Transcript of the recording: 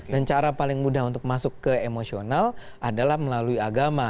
dan cara paling mudah untuk masuk ke emosional adalah melalui agama